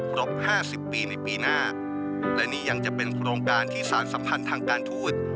๕๐ปีในปีหน้าและนี่ยังจะเป็นโครงการที่สารสัมพันธ์ทางการทูต